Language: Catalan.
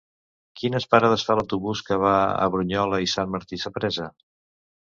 Quines parades fa l'autobús que va a Brunyola i Sant Martí Sapresa?